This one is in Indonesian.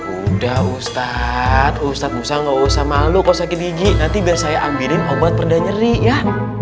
udah ustadz ustadz musa gak usah malu kok sakit gigi nanti biar saya ambilin obat perda nyeri ya